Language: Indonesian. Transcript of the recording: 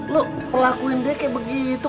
lu pelakuin dia kayak begitu